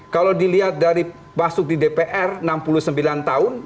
kalau dilihat dari masuk di dpr enam puluh sembilan tahun